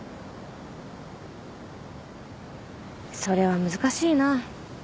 それは難しいな。